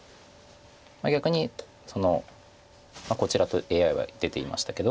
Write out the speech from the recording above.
逆にこちらとＡＩは出ていましたけど。